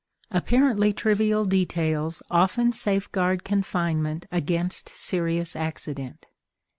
Apparently trivial details often safeguard confinement against serious accident.